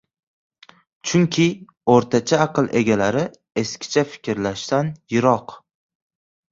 Chunki oʻrtacha aql egalari eskicha fikrlashdan yiroq.